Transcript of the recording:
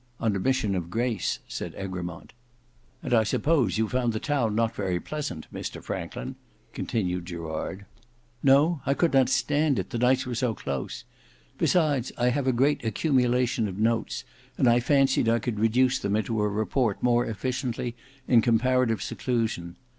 "On a mission of grace," said Egremont. "And I suppose you found the town not very pleasant, Mr Franklin," continued Gerard. "No; I could not stand it, the nights were so close. Besides I have a great accumulation of notes, and I fancied I could reduce them into a report more efficiently in comparative seclusion.